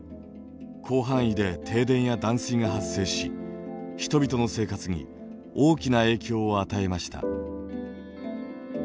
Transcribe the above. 広範囲で停電や断水が発生し人々の生活に大きな影響を与えました。